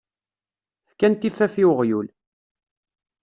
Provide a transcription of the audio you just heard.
Fkan tiffaf i uɣyul.